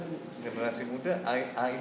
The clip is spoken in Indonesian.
generasi muda a ini